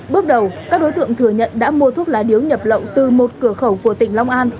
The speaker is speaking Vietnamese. bước đầu các đối tượng thừa nhận đã mua thuốc lá điếu nhập lậu từ một cửa khẩu của tỉnh long an